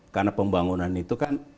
karena pembangunan itu kan